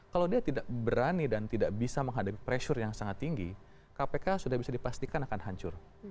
kalau dia tidak berani dan tidak bisa menghadapi pressure yang sangat tinggi kpk sudah bisa dipastikan akan hancur